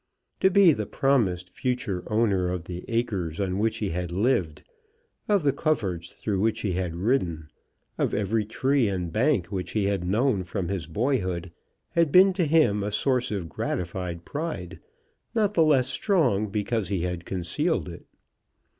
To be the promised future owner of the acres on which he had lived, of the coverts through which he had ridden, of every tree and bank which he had known from his boyhood, had been to him a source of gratified pride not the less strong because he had concealed it.